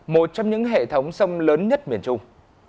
một trong những hệ thống sông lớn nhất miền trung